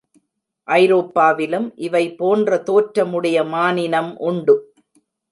ஐரோப்பாவிலும் இவை போன்ற தோற்றமுடைய மானினம் உண்டு.